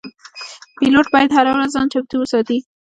پیلوټ باید هره ورځ ځان چمتو وساتي.